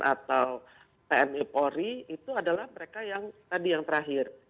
atau tni polri itu adalah mereka yang tadi yang terakhir